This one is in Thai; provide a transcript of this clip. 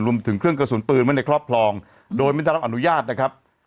รวมถึงเครื่องกระสุนปืนไว้ในครอบครองโดยไม่ได้รับอนุญาตนะครับ